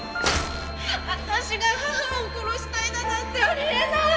私が母を殺したいだなんてあり得ない！